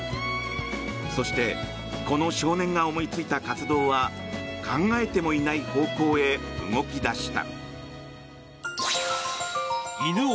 そして、この少年が思いついた活動は考えてもいない方向へ動き出した。